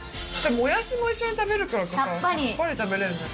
もやしも一緒に食べるからかさっぱり食べれるね。